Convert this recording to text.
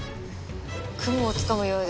雲をつかむようで。